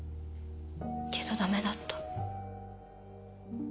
けどダメだった。